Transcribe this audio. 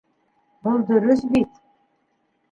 Был дөрөҫ бит.